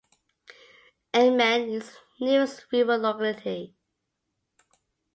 Ilmen is the nearest rural locality.